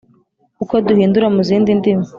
Uko duhindura mu zindi ndimi